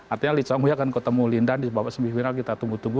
artinya li chongwei akan ketemu lindan di semifinal kita tunggu tunggu